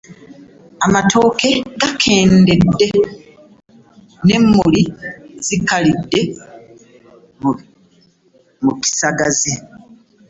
Amatooke gakendedde n'emmuli zikalidde mu kisagazi.